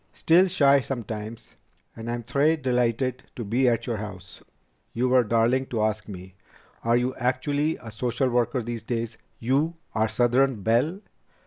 "Still shy sometimes, and I'm très delighted to be at your house. You were darling to ask me. Are you actually a social worker these days? You, our southern belle?"